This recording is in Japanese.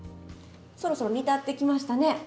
そろそろ煮立ってきましたね。